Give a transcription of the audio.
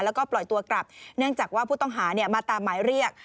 แล้วก็ปล่อยตัวกลับเนื่องจากว่าผู้ต้องหามาตามหมายเรียก